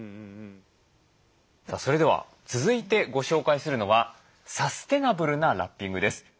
それでは続いてご紹介するのはサスティナブルなラッピングです。